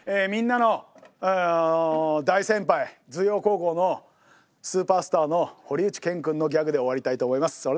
みんなの大先輩葉高校のスーパースターの堀内健君のギャグで終わりたいと思います。